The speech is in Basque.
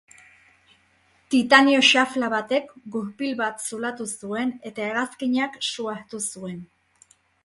Titanio xafla batek gurpil bat zulatu zuen eta hegazkinak su hartu zuen.